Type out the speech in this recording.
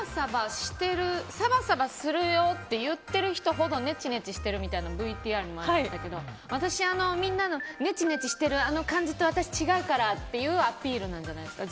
サバサバするよって言ってる人ほどねちねちしてるみたいなＶＴＲありましたけど私、みんなのねちねちしてる感じと私、違うからっていうアピールなんじゃないですか。